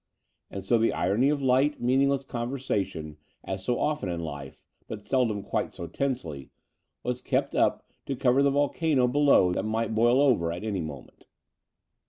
And so the irony of light, meaningless conversa tion, as so often in life, but seldom quite so tensely, was kept up to cover the volcano below that might boil over at any moment.